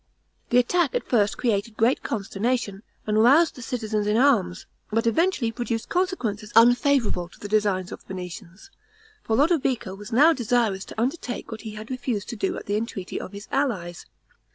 This attack at first created great consternation, and roused the citizens in arms; but eventually produced consequences unfavorable to the designs of the Venetians; for Lodovico was now desirous to undertake what he had refused to do at the entreaty of his allies.